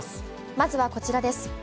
まずはこちらです。